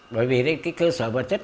bởi vì cái cơ sở vật chất